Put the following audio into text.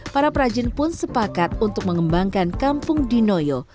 para prajin pun sepakat untuk mengembangkan kampung dinoyo